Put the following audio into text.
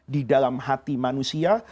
di dalam hati manusia